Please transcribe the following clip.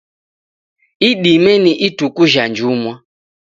Idime ni ituku jha njumwa.